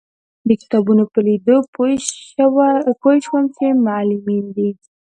د کتابونو په لیدو پوی شوم چې معلمینې دي.